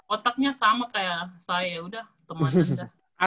otaknya sama kayak saya ya udah temenan aja